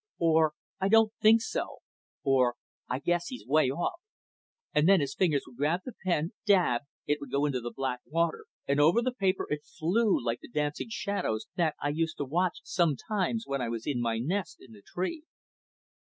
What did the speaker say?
or "I don't think so!" or "I guess he's way off," and then his fingers would grab the pen, dab! it would go into the black water, and over the paper it flew like the dancing shadows that I used to watch sometimes when I was in my nest in the tree.